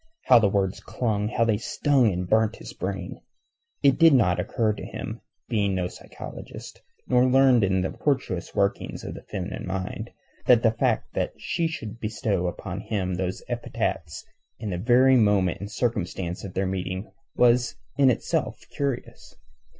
How the words clung, how they stung and burnt his brain! It did not occur to him, being no psychologist, nor learned in the tortuous workings of the feminine mind, that the fact that she should bestow upon him those epithets in the very moment and circumstance of their meeting was in itself curious.